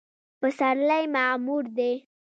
پسرلی معمور دی